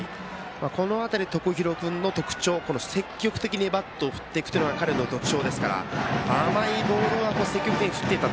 この辺り、徳弘君の特徴積極的にバットを振っていくという彼の特徴ですから甘いボールは積極的に振っていった。